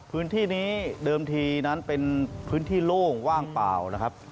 พื้นที่นี้เดิมทีนั้นเป็นพื้นที่โล่งว่างเปล่านะครับ